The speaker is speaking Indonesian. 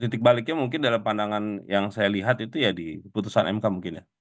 titik baliknya mungkin dalam pandangan yang saya lihat itu ya di putusan mk mungkin ya